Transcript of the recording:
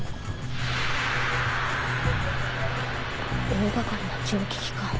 大掛かりな蒸気機関。